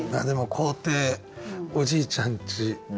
でも校庭おじいちゃんち。